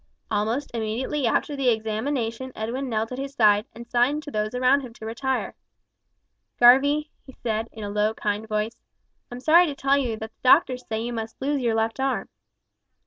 Almost immediately after the examination Edwin knelt at his side, and signed to those around him to retire. "Garvie," he said, in a low kind voice, "I'm sorry to tell you that the doctors say you must lose your left arm."